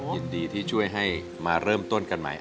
ยินดีที่ช่วยให้มาเริ่มต้นกันใหม่